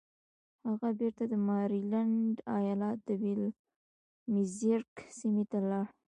هغه بېرته د ماريلنډ ايالت د ويلمزبرګ سيمې ته لاړ.